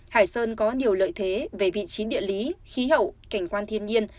hải sơn có nhiều lợi thế về vị trí địa lý khí hậu cảnh quan thiên nhiên